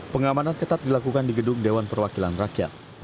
pengamanan ketat dilakukan di gedung dewan perwakilan rakyat